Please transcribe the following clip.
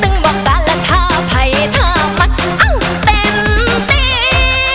ตึงหวังกราศน์และถ้าไพท่าเข้ามันอ้างเต็มดี